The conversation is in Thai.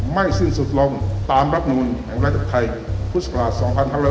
ไม่สิ้นสุดลงตามรับโน้นแห่งรายธรรมไทย